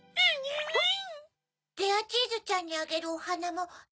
アンアン！